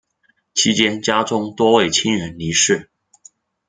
期间家中多位亲人离世。